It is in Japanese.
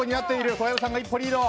小籔さんが一歩リード。